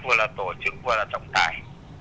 vừa là tổ chức vừa là trọng tài